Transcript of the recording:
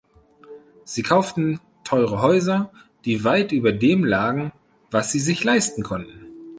Sie kauften teure Häuser, die weit über dem lagen, was sie sich leisten konnten.